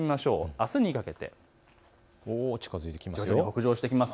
あすにかけて北上していきます。